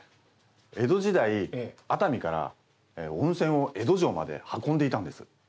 江戸時代熱海から温泉を江戸城まで運んでいたんです。